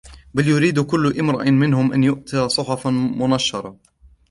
بل يريد كل امرئ منهم أن يؤتى صحفا منشرة